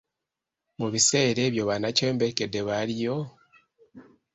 Mu biseera ebyo banakyeyombekedde baaliyo?